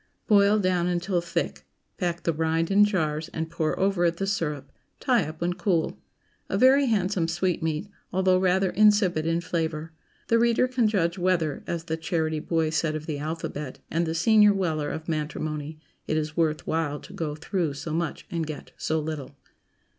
Boil down until thick; pack the rind in jars and pour over it the syrup. Tie up when cool. A very handsome sweetmeat, although rather insipid in flavor. The reader can judge whether, as the charity boy said of the alphabet, and the senior Weller of matrimony, it is worth while to go through so much and get so little.